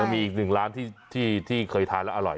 ยังมีอีก๑ร้านที่เคยทานแล้วอร่อย